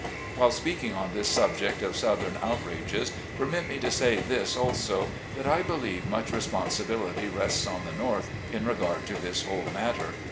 While speaking on this subject of southern out rages, permit me to say this also : that I believe much responsibility rests on the North in regard to this whole matter.